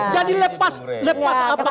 jadi lepas apa